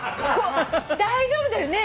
大丈夫だよね。